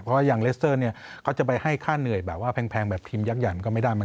เพราะว่าอย่างเลสเตอร์เนี่ยเขาจะไปให้ค่าเหนื่อยแบบว่าแพงแบบทีมยักษ์ใหญ่มันก็ไม่ได้